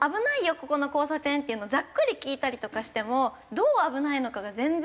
ここの交差点っていうのをざっくり聞いたりとかしてもどう危ないのかが全然。